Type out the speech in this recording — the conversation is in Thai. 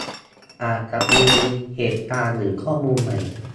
อาจจะมีเหตุการณ์หรือข้อมูลใหม่